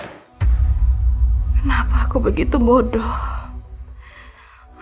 kenapa aku begitu bodoh